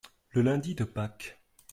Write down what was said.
Le lundi de Pâques.